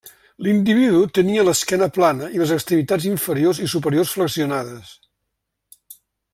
L’individu tenia l’esquena plana i les extremitats inferiors i superiors flexionades.